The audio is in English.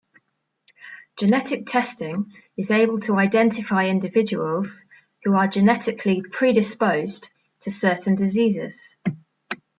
Genetic testing is able to identify individuals who are genetically predisposed to certain diseases.